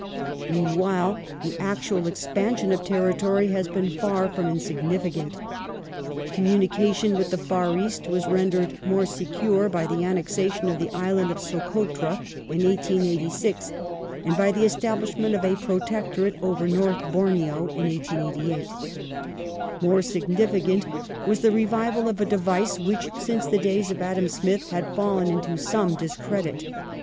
Territorial Meanwhile, the actual expansion of territory has been far fix)m expansion insignificant Communication with the Far East was rendered more secure by the annexation of the island of Socotra in 1886 and by the establishment of a Protectorate over North Borneo in 1888. More significant was the revival of a device which since the days of Adam Smith had fallen into some discredit.